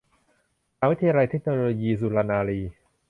มหาวิทยาลัยเทคโนโลยีสุรนารี